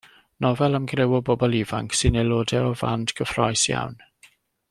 Nofel am griw o bobl ifanc sy'n aelodau o fand cyffrous iawn.